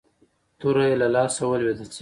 توره يې له لاسه ولوېده.